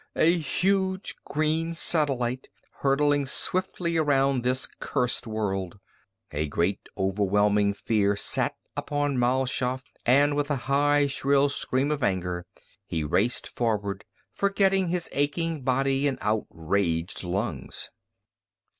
A huge green satellite hurtling swiftly around this cursed world! A great, overwhelming fear sat upon Mal Shaff and with a high, shrill scream of anger he raced forward, forgetful of aching body and outraged lungs.